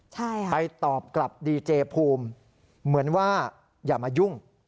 ใช่ค่ะะถึงว่าอย่ามายุ่ง